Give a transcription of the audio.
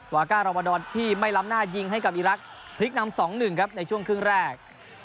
วาก้ารอมาดอนที่ไม่ล้ำหน้ายิงให้กับอีรักษ์พลิกนำ๒๑ครับในช่วงครึ่งแรก